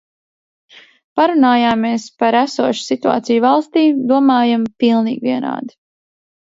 Parunājāmies par esošu situāciju valstī. Domājam pilnīgi vienādi.